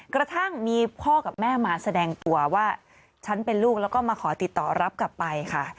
กระทั่งมีพ่อกับแม่มาแสดงตัวว่าฉันเป็นลูกแล้วก็มาขอติดต่อรับกลับไปค่ะ